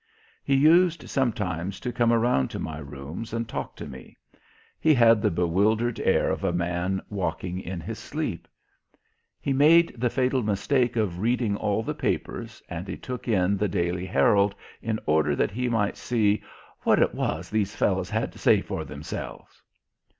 He used sometimes to come around to my rooms and talk to me; he had the bewildered air of a man walking in his sleep. He made the fatal mistake of reading all the papers, and he took in the Daily Herald in order that he might see "what it was these fellows had to say for themselves."